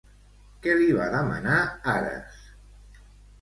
Què li va demanar Ares?